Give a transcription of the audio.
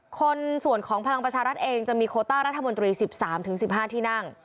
คนส่วนของพลังประชารัฐเองจะมีโคต้ารัฐมนตรี๑๓๑๕ที่นั่ง